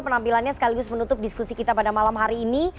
penampilannya sekaligus menutup diskusi kita pada malam hari ini